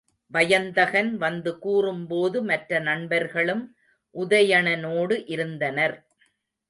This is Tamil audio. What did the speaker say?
வயந்தகன் வந்து கூறும்போது மற்ற நண்பர்களும் உதயணனோடு இருந்தனர்.